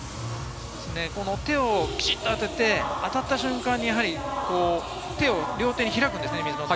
手をきちんと当てて、当たった瞬間に手を両手に開くんですよね。